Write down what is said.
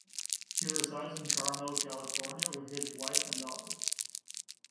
He resides in Carmel, California, with his wife and daughter.